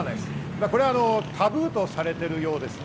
これはタブーとされているようですね。